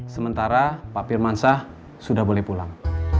sementara pak firmansyah sudah boleh pulang